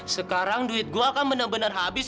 sekarang duit gue akan bener bener habis